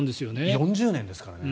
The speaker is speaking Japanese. ４０年ですからね。